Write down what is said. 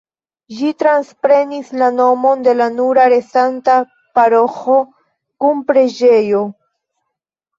Ĝi transprenis la nomon de la nura restanta paroĥo kun preĝejo.